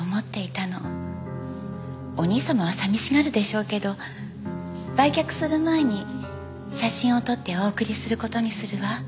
お兄様は寂しがるでしょうけど売却する前に写真を撮ってお送りする事にするわ。